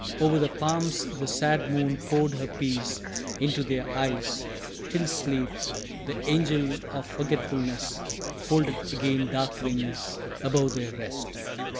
Over the palms The sad moon poured her peace into their eyes, Till Sleep, the angel of forgetfulness, Folded again dark wings above their rest.